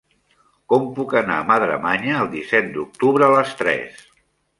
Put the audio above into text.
Com puc anar a Madremanya el disset d'octubre a les tres?